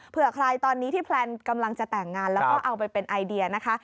ใครตอนนี้ที่แพลนกำลังจะแต่งงานแล้วก็เอาไปเป็นไอเดียนะคะ